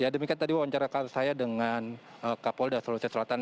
ya demikian tadi wawancarakan saya dengan kapol dan sulawesi selatan